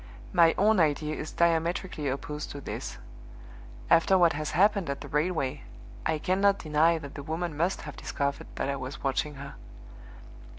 My own idea is diametrically opposed to this. After what has happened at the railway, I cannot deny that the woman must have discovered that I was watching her.